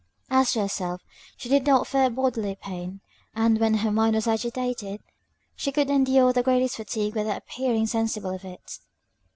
As to herself, she did not fear bodily pain; and, when her mind was agitated, she could endure the greatest fatigue without appearing sensible of it.